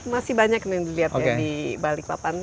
masih banyak yang dilihat di balik papan